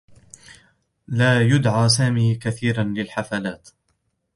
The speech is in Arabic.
لا يُدعى سامي كثيرا للحفلات.